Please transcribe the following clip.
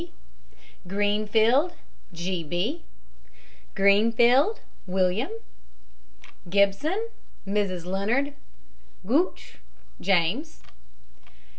P. GREENFIELD, G. B. GREENFIELD, WILLIAM. GIBSON, MRS. LEONARD. GOOGHT, JAMES.